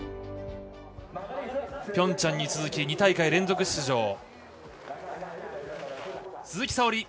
ピョンチャンに続き２大会連続出場。